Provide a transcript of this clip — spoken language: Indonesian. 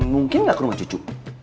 mungkin nggak ke rumah cucu